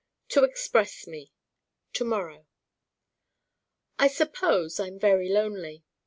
To express me To morrow I suppose I'm very lonely.